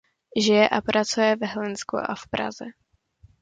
Žije a pracuje v Hlinsku a v Praze.